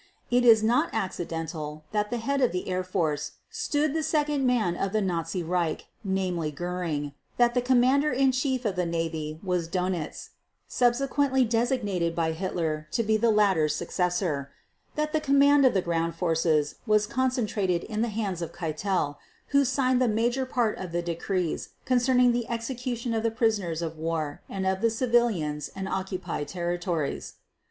It is not accidental that at the head of the Air Force stood the "second man" of the Nazi Reich, namely Göring; that the Commander in Chief of the Navy was Dönitz, subsequently designated by Hitler to be the latter's successor; that the command of the Ground Forces was concentrated in the hands of Keitel who signed the major part of the decrees concerning the execution of the prisoners of war and of the civilians in occupied territories.